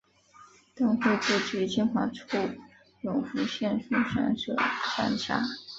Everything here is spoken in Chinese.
郑橞祖籍清华处永福县槊山社忭上乡。